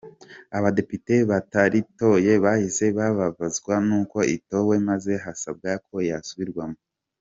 Abadepite bataritoye bahise bababazwa n’uko itowe maze hasabwa ko yasubirwamo.